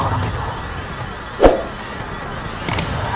aku akan mencari tahu siapa dia